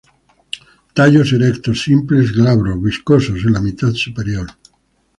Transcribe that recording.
Tallos erectos, simples, glabros, viscosos en la mitad superior.